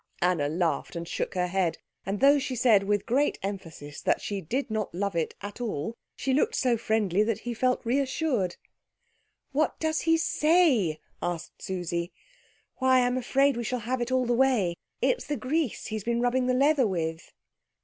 Anna laughed and shook her head, and though she said with great emphasis that she did not love it at all, she looked so friendly that he felt reassured. "What does he say?" asked Susie. "Why, I'm afraid we shall have it all the way. It's the grease he's been rubbing the leather with."